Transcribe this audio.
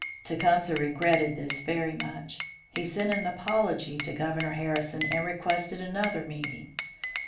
Tecumseh regretted this very much. He sent an apology to Governor Harrison and requested another meeting.